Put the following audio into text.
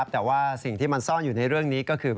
แต่ว่าสิ่งที่มันซ่อนอยู่ในเรื่องนี้ก็คือ